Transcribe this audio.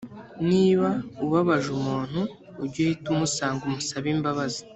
niba ubabaje umuntu ujye uhita umusanga umusabe imbabazi